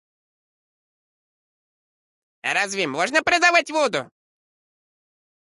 Разве можно продавать воду?